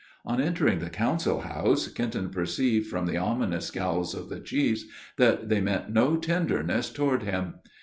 On entering the council house, Kenton perceived from the ominous scowls of the chiefs, that they meant no tenderness toward him.